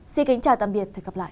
xin kính chào tạm biệt và hẹn gặp lại